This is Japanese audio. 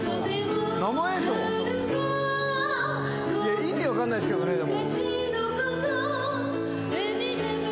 意味わかんないすけどね、でも。